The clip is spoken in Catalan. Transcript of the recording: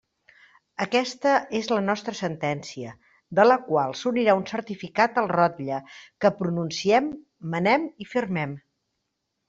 Aquesta és la nostra sentència, de la qual s'unirà un certificat al rotlle, que pronunciem, manem i firmem.